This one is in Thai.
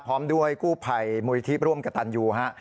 พร้อมด้วยกู้ภัยมูลิธิร่วมกับตันยูฮะ